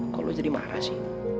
kok lo jadi marah sih